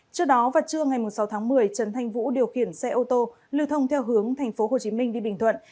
trước đó vào trưa ngày sáu tháng một mươi trần thanh vũ điều khiển xe ô tô lưu thông theo hướng tp hcm đi bình thuận